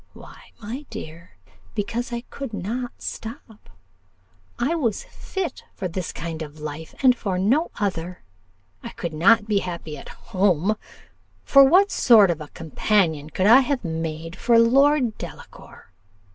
Why, my dear, because I could not stop: I was fit for this kind of life and for no other: I could not be happy at home; for what sort of a companion could I have made of Lord Delacour?